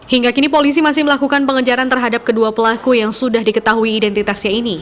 hingga kini polisi masih melakukan pengejaran terhadap kedua pelaku yang sudah diketahui identitasnya ini